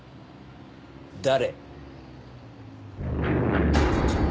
誰？